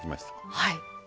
はい。